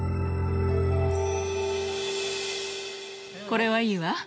これはいいわ。